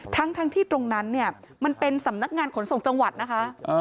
ทั้งที่ตรงนั้นเนี่ยมันเป็นสำนักงานขนส่งจังหวัดนะคะ